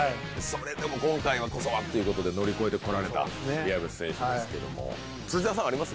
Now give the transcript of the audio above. それでも今回こそはっていうことで乗り越えて来られた岩渕選手ですけども。